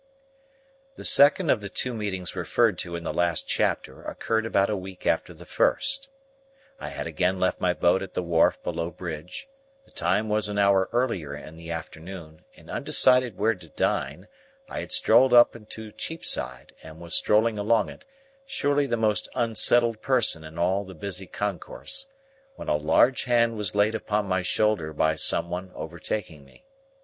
The second of the two meetings referred to in the last chapter occurred about a week after the first. I had again left my boat at the wharf below Bridge; the time was an hour earlier in the afternoon; and, undecided where to dine, I had strolled up into Cheapside, and was strolling along it, surely the most unsettled person in all the busy concourse, when a large hand was laid upon my shoulder by some one overtaking me.